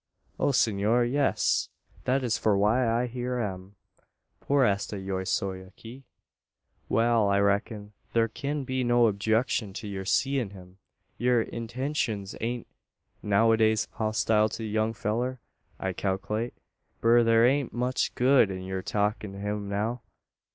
"O, senor yees that is for why I here am por esta yo soy aqui." "Wal; I reck'n, thur kin be no objecshun to yur seein' him. Yur intenshuns ain't noways hostile to the young fellur, I kalklate. But thur ain't much good in yur talkin' to him now.